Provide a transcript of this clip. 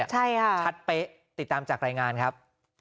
ใช่ค่ะชัดเป๊ะติดตามจากรายงานครับ